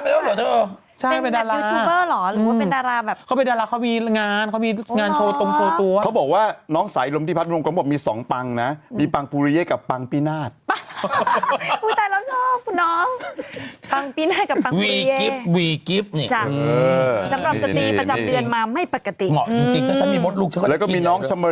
เมื่อก่อนเธอยังแต่งหน้าให้ฉันอยู่ตั๊กเทอร์แหลด